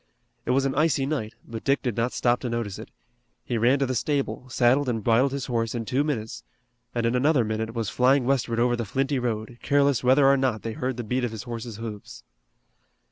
It was an icy night, but Dick did not stop to notice it. He ran to the stable, saddled and bridled his horse in two minutes, and in another minute was flying westward over the flinty road, careless whether or not they heard the beat of his horse's hoofs.